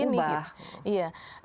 kebenarannya begini iya